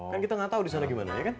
kan kita gatau disana gimana ya kan